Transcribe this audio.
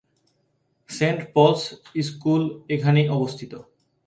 Saint Paul's school এখানেই অবস্থিত।